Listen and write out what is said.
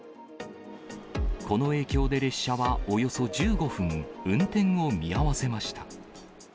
この影響で、列車はおよそ１５分、運転を見合わせました。